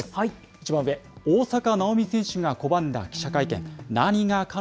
一番上、大坂なおみ選手が拒んだ記者会見。